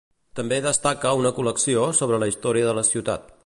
També destaca una col·lecció sobre la història de la ciutat.